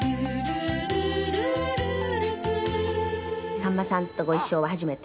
さんまさんとご一緒は初めて？